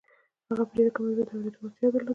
هغه په ډېره کمه اندازه د اورېدو وړتيا درلوده.